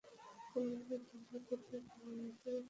কুমিল্লা জেলার পূর্ব-মধ্যাংশে কুমিল্লা সদর দক্ষিণ উপজেলার অবস্থান।